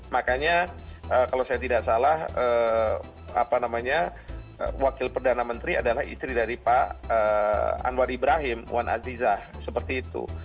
makanya kalau saya tidak salah wakil perdana menteri adalah istri dari pak anwar ibrahim wan azizah seperti itu